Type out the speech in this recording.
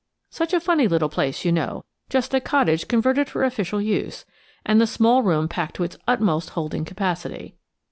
Such a funny little place, you know–just a cottage converted for official use–and the small room packed to its utmost holding capacity.